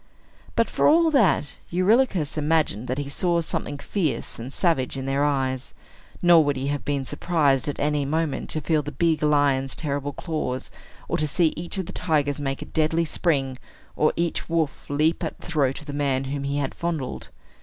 But, for all that, Eurylochus imagined that he saw something fierce and savage in their eyes; nor would he have been surprised, at any moment, to feel the big lion's terrible claws, or to see each of the tigers make a deadly spring, or each wolf leap at the throat of the man whom he had fondled.